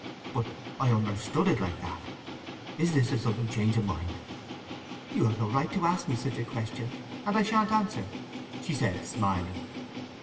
"But—I understood it like that… Is this a sudden change of mind?" "You have no right to ask me such a question; and I shan't answer!" she said, smiling.